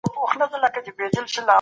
په نړۍ کي د بې عدالتیو پر وړاندي ودرېږئ.